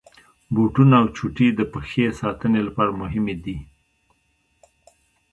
بوټونه او چوټي د پښې ساتني لپاره مهمي دي.